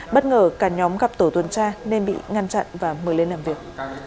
bất ngờ cả nhóm gặp tổ tuần tra nên bị ngăn chặn và mời lên làm việc